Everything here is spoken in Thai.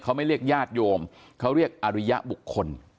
เขาไม่เรียกญาติโยมเขาเรียกอริยบุคคล